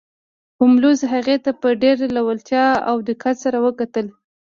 هولمز هغې ته په ډیره لیوالتیا او دقت سره وکتل